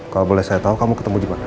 kalau boleh saya tahu kamu ketemu di mana